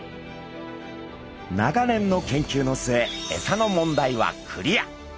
長年の研究の末エサの問題はクリア。